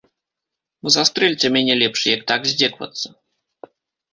Застрэльце мяне лепш, як так здзекавацца!